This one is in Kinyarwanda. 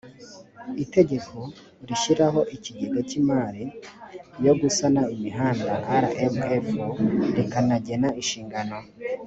itegeko rishyiraho ikigega cy imari yo gusana imihanda rmf rikanagena inshingano